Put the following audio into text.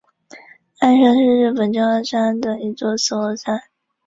这三个董事会都是由来自全国的志愿者构成的。